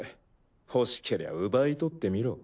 欲しけりゃ奪い取ってみろ。